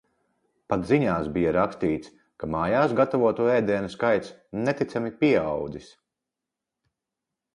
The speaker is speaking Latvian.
Pat ziņās bija rakstīts, ka mājās gatavoto ēdienu skaits neticami pieaudzis.